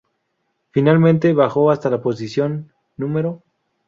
Finalmente bajó hasta la posición No.